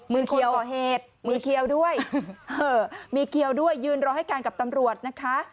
มือเคี้ยวมือเคี้ยวด้วยมือเคี้ยวด้วยยืนรอให้กันกับตำรวจนะคะ